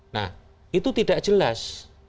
nah itu tidak jelas